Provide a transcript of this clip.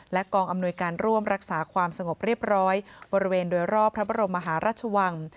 กองอำนวยการร่วมรักษาความสงบเรียบร้อยบริเวณโดยรอบพระบรมมหาราชวัง